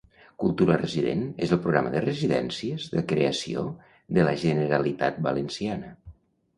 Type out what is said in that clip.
"Cultura Resident" és el programa de residències de creació de la Generalitat Valenciana.